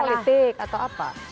politik atau apa